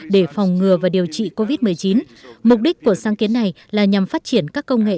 để phòng ngừa và điều trị covid một mươi chín mục đích của sáng kiến này là nhằm phát triển các công nghệ